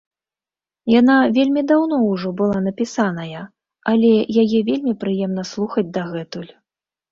Яна вельмі даўно ўжо была напісаная, але яе вельмі прыемна слухаць дагэтуль.